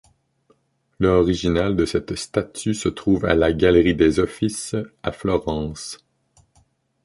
L'original de cette statue se trouve à la Galerie des Offices à Florence.